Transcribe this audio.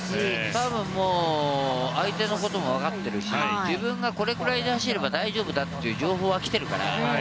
多分相手のこともわかっているし自分がこれくらいで走れば大丈夫だという情報は来ているから。